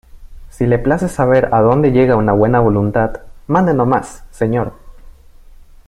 si le place saber a dónde llega una buena voluntad, mande no más , señor.